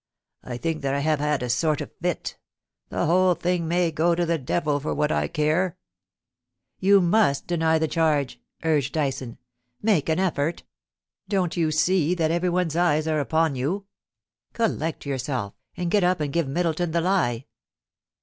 I think that I have had a sort of fit The whole thing may go to the devil, for what I care !'' You must deny the charge,' urged Dyson. * Make an effort Don't you see that everyone's eyes are upon you ? Collect yourself, and get up and give Middleton the lie.'